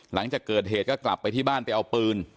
หลังจากเกิดเหตุก็กลับไปที่บ้านไปเอาปืน